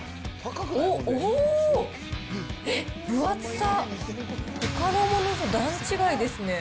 えっ、分厚さ、ほかのものと段違いですね。